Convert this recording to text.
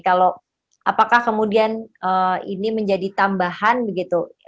kalau apakah kemudian ini menjadi tambahan begitu